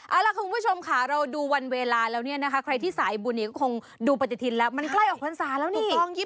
เอาล่ะคุณผู้ชมค่ะเราดูวันเวลาแล้วเนี่ยนะคะใครที่สายบุญนี้ก็คงดูปฏิทินแล้วมันใกล้ออกพรรษาแล้วนี่